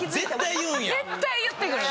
絶対言ってくる。